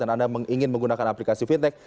anda ingin menggunakan aplikasi fintech